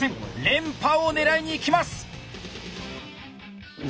連覇を狙いにいきます！